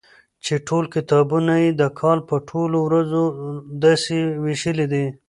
چي ټول کتابونه يي د کال په ټولو ورځو داسي ويشلي دي